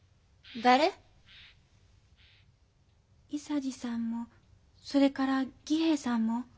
伊三治さんもそれから儀平さんも。